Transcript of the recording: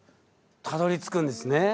たどりつくんですね。